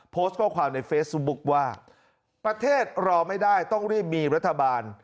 โพสต์ข้อความในเฟซบุ๊คว่าประเทศรอไม่ได้ต้องรีบมีรัฐบาล